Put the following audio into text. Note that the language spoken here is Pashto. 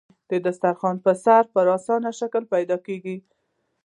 د دسترخوان پر سر يې په اسانۍ شیان پیدا کېدل.